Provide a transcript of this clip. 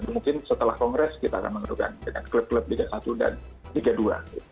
mungkin setelah kongres kita akan mengadukan dengan klub klub liga satu dan liga dua